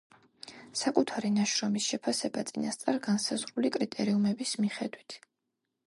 საკუთარი ნაშრომის შეფასება წინასწარ განსაზღვრული კრიტერიუმების მიხედვით.